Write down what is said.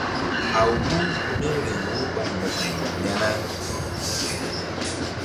A wo míriŋ wo ɓa mo̧ko-ay ya na?